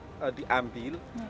ketika air tanah diambil